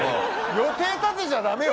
予定立てちゃダメよ